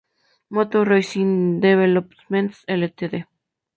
Motor Racing Developments Ltd.